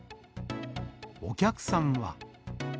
お客さんは。